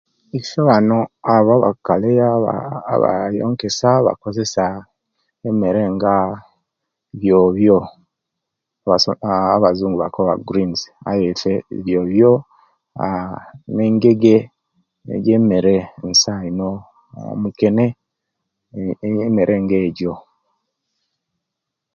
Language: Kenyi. Iswe wano abo abakali aba abaaa abayonkesya bakozesa emere nga yobyo abazungu bakoba greens aye iffe yobyo aaa ne'ngege niyo emere nsaa ino aah omukene aaa emere nga ebyo.